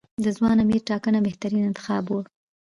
د ځوان امیر ټاکنه بهترین انتخاب و.